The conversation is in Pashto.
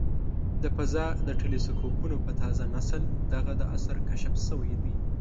د فضا د ټیلسکوپونو په تازه نسل دغه د عصر کشف شوی دی.